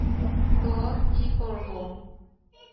তো কী করবো?